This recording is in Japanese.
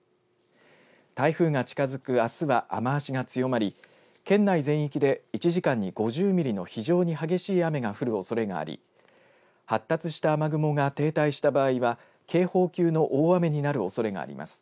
台風が近づくあすは雨足が強まり県内全域で１時間に５０ミリの非常に激しい雨が降るおそれがあり発達した雨雲が停滞した場合は警報級の大雨になるおそれがあります。